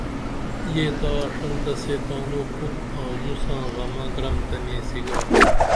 یہ تہ آڜنتہ سے تانو پُت آں ژو ساں غمہ گرم تہ نیسی گا